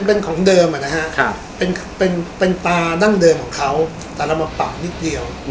เป็นของเดิมนะฮะเป็นตาดั้งเดิมของเขาแต่เรามาปรับนิดเดียว